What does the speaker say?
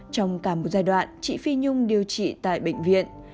trong cả một giai đoạn chị phi nhung điều trị tại bệnh viện